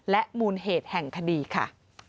และมูลเหตุแห่งคดีค่ะ